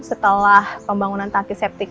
setelah pembangunan tanki septic